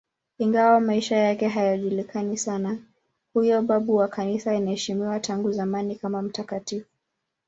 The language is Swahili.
Ingawa maisha yake hayajulikani sana, huyo babu wa Kanisa anaheshimiwa tangu zamani kama mtakatifu.